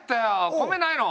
米ないの？